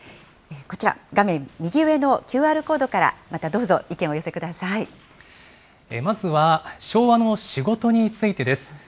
こちら、画面右上のＱＲコードから、またどうぞ、意見をお寄せくまずは、昭和の仕事についてです。